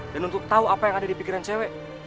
dan untuk tau apa yang ada di pikiran cewek